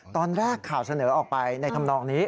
ตอนแรกข่าวเสนอออกไปในธรรมนองนี้